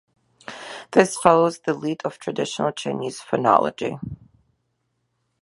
This follows the lead of traditional Chinese phonology.